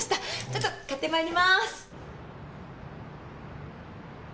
ちょっと買ってまいります。